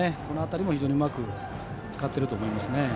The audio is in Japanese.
この辺りも非常にうまく使っていると思います。